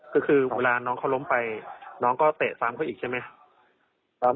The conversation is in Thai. ก็คือเวลาน้องเขาล้มไปน้องก็เตะซ้ำเขาอีกใช่ไหม